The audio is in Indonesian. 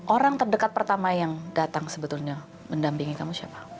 orang terdekat pertama yang datang sebetulnya mendampingi kamu siapa